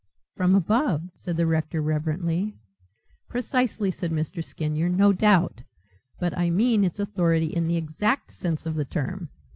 "From above." said the rector reverently. "Precisely," said Mr. Skinyer, "no doubt, but I mean its authority in the exact sense of the term."